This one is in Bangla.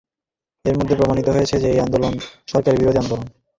এর মাধ্যমে প্রমাণিত হয়েছে যে এই আন্দোলন সরকারবিরোধী আন্দোলন।